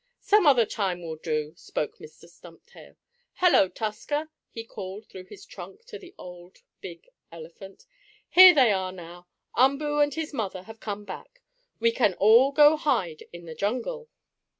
"Some other time will do," spoke Mr. Stumptail. "Hello, Tusker!" he called through his trunk to the old, big elephant. "Here they are now! Umboo and his mother have come back. We can all go hide in the jungle."